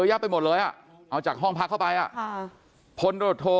พยายามไปหมดเลยอ่ะเอาจากห้องพักเข้าไปอ่ะค่ะพนธโรโธ